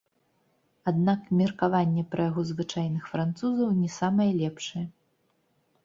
Аднак меркаванне пра яго звычайных французаў не самае лепшае.